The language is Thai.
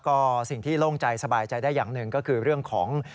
ก็สิ่งที่โล่งใจสบายใจได้อย่างหนึ่งก็คือเรื่องของ